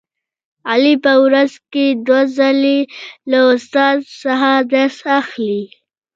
علي په ورځ کې دوه ځلې له استاد څخه درس اخلي.